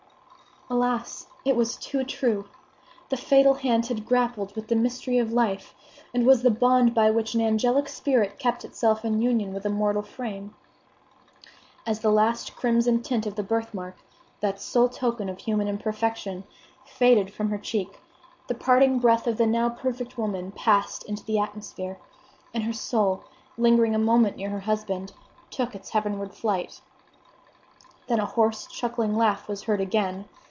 Alas! it was too true! The fatal hand had grappled with the mystery of life, and was the bond by which an angelic spirit kept itself in union with a mortal frame. As the last crimson tint of the birthmark—that sole token of human imperfection—faded from her cheek, the parting breath of the now perfect woman passed into the atmosphere, and her soul, lingering a moment near her husband, took its heavenward flight. Then a hoarse, chuckling laugh was heard again!